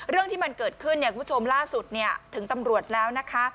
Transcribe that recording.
เรื่องที่มันเกิดขึ้นคุณผู้ชมล่าสุดถึงตำรวจแล้วนะคะ